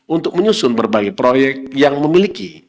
untuk menyusun berbagai proyek yang memiliki